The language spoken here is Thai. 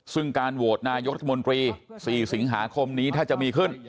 ซึ่งการโหวตนายกรัฐมนตรี๔สิงหาคมนี้ถ้าจะมีขึ้น